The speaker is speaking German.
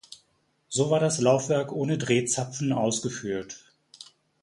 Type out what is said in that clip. So war das Laufwerk ohne Drehzapfen ausgeführt.